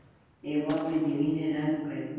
هیواد مې د وینو رنګ لري